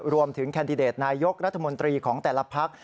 รวมถึงแคนดิเดตนายยกรัฐมนตรีของแต่ละภักดิ์